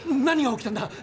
何が起きたんだ